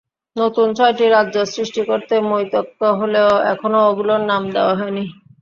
নতুন ছয়টি রাজ্য সৃষ্টি করতে মতৈক্য হলেও এখনো এগুলোর নাম দেওয়া হয়নি।